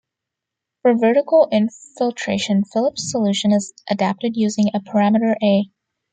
For vertical infiltration, Philip's solution is adapted using a parameter A.